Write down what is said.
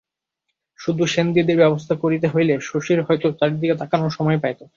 শুধু সেনদিদির ব্যবস্থা করিতে হইলে শশীর হয়তো চারদিকে তাকানোর সময় পাইত।